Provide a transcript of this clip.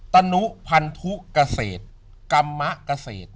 ตนุพันธุเกษตรกรรมเกษตร